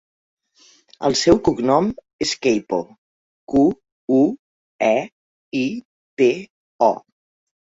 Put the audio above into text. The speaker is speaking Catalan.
El seu cognom és Queipo: cu, u, e, i, pe, o.